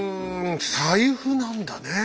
財布なんだねえ。